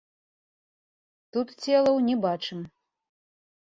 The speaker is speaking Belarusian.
Тут целаў не бачым.